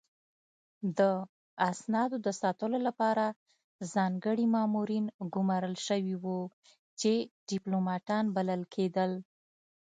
د اسنادو د ساتلو لپاره ځانګړي مامورین ګمارل شوي وو چې ډیپلوماتان بلل کېدل